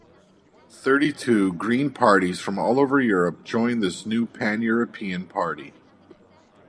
Thirty-two Green parties from all over Europe joined this new pan-European party.